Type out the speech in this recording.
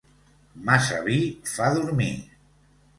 Massa vi fa dormir.